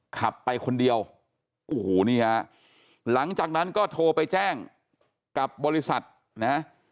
ขับไปคนเดียวโอ้โหนี่ฮะหลังจากนั้นก็โทรไปแจ้งกับบริษัทนะ